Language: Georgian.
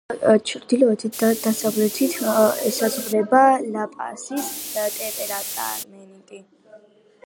ჩრდილოეთით და დასავლეთით ესაზღვრება ლა-პასის დეპარტამენტი.